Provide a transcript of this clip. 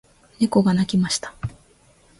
猫が鳴きました。